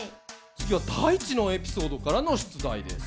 次は大馳のエピソードからの出題です。